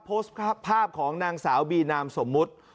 โพสต์ภาพของนางสาวบีนามสมมุติ